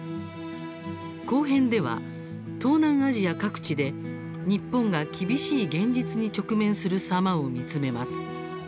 後編では、東南アジア各地で日本が厳しい現実に直面する様を見つめます。